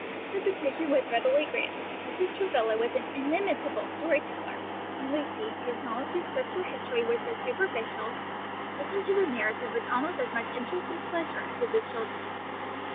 The petition was readily granted. Mrs. Travilla was an inimitable story teller, and Lucy, whose knowledge of Scripture history was but superficial, listened to the narrative with almost as much interest and pleasure as did the children.